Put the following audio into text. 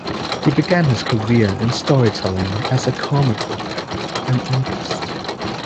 He began his career in storytelling as a comic book writer and artist.